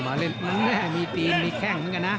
มันมาเล่นมีตีมีแค่งกันนะ